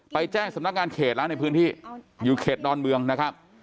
แจ้งสำนักงานเขตแล้วในพื้นที่อยู่เขตดอนเมืองนะครับ